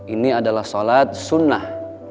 ini adalah sholat sunnah